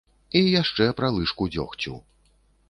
І яшчэ пра лыжку дзёгцю.